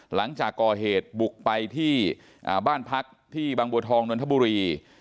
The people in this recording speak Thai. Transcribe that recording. หลังจากก่อเหตุบุกไปที่บ้านพักที่บางบัวทองนนทบุรี